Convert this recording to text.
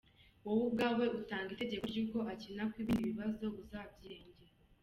Wowe ubwawe utanga itegeko ry’uko akina ko ibindi bibazo uzabyirengera!!